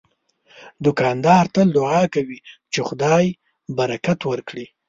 دوکاندار تل دعا کوي چې خدای برکت ورکړي.